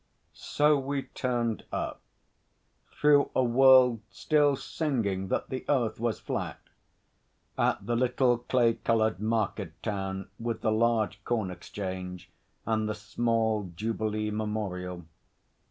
So we turned up through a world still singing that the Earth was flat at the little clay coloured market town with the large Corn Exchange and the small Jubilee memorial.